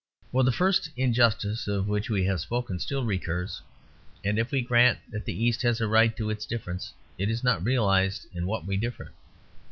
For the first injustice, of which we have spoken, still recurs; and if we grant that the East has a right to its difference, it is not realised in what we differ.